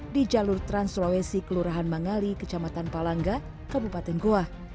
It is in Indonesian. di jalur trans sulawesi kelurahan mangali kecamatan palangga kabupaten goa